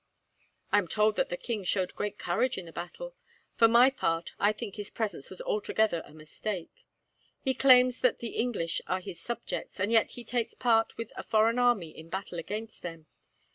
"I am told that the king showed great courage in the battle. For my part, I think his presence was altogether a mistake. He claims that the English are his subjects, and yet he takes part with a foreign army in battle against them.